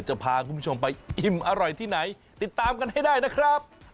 จะพาคุณผู้ชมไปอิ่มอร่อยที่ไหนติดตามกันให้ได้นะครับ